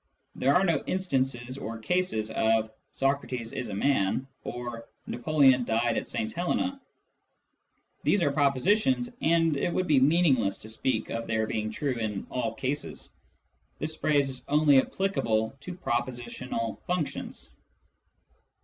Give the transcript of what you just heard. There are no instances or cases of " Socrates is a man " or " Napoleon died at St Helena." These are propositions, and it would be meaningless to speak of their being true " in all cases." This phrase is only applicable to propositional functions.